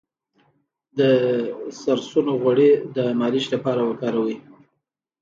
د سرسونو غوړي د مالش لپاره وکاروئ